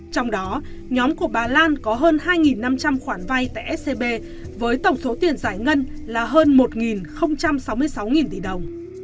trong đó nhóm của bà lan có hơn hai năm trăm linh khoản vay tại scb với tổng số tiền giải ngân là hơn một sáu mươi sáu tỷ đồng